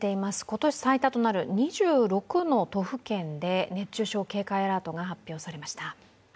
今年最多となる２６の都府県で熱中症警戒アラートが発表されました。